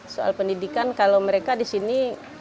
soal pendidikan kalau mereka di sini